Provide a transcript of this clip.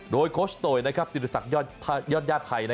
โดยโคชโตยสินธิศักดิ์ยอดยาทัย